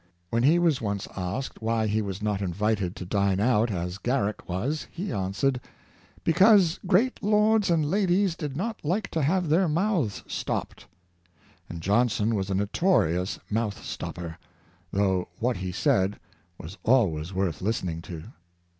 When he was once asked why he was not invited to dine out as Garrick was, he answered, " Because great lords and ladies did not like to have their mouths stopped; " and Johnson was a notorious mouth stopper, though what he said was always worth listening to.